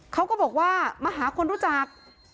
เขาก็บอกว่ามาหาคนรู้จัก